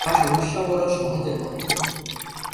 আর সমস্যা বড় সহজও নহে।